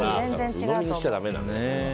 うのみにしちゃだめだね。